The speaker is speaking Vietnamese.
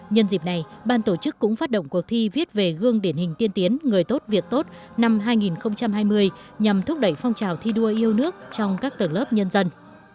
nhân dịp này ban tổ chức cũng phát động cuộc thi viết về gương điển hình tiên tiến người tốt việc tốt năm hai nghìn hai mươi nhằm thúc đẩy phong trào thi đua yêu nước trong các tầng lớp nhân dân